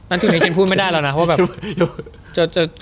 อันจุดนี้เคนพูดไม่ได้แล้วนะว่าแบบ